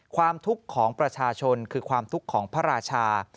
ความทุกข์ของประชาชนคือความทุกข์ของพระราชา